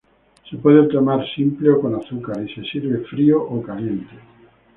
Se puede tomar simple o con azúcar, y se sirve frío o caliente.